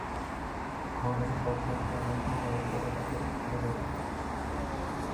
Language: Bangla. ঘরে সব দরজা বন্ধ করে তবে তাকে খুলে দেখি।